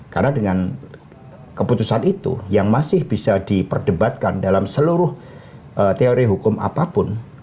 karena dengan keputusan itu yang masih bisa diperdebatkan dalam seluruh teori hukum apapun